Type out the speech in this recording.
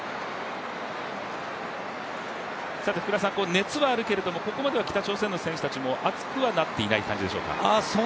熱はあるけれども、ここまでは北朝鮮の選手も熱くはなっていない感じでしょうか。